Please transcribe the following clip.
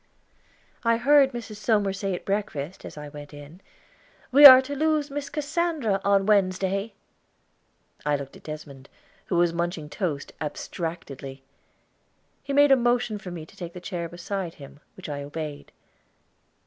I heard Mrs. Somers say at breakfast, as I went in, "We are to lose Miss Cassandra on Wednesday." I looked at Desmond, who was munching toast abstractedly. He made a motion for me to take the chair beside him, which I obeyed.